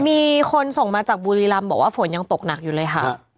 มีคนส่งมาจากบุรีรำบอกว่าฝนยังตกหนักอยู่เลยค่ะ